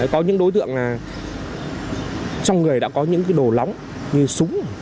có những đối tượng trong người đã có những đồ lóng như súng